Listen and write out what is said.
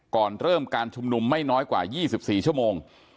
ก่อนเริ่มการชุมนุมไม่น้อยกว่า๒๔ชั่วโมง